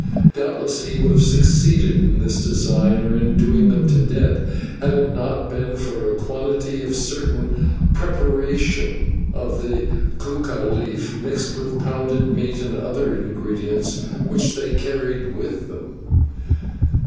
Doubtless he would have succeeded in this design, or in doing them to death, had it not been for a quantity of a certain preparation of the /cuca/ leaf, mixed with pounded meat and other ingredients, which they carried with them.